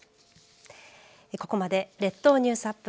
ここまで列島ニュースアップ